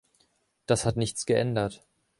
Das hat nichts geändert.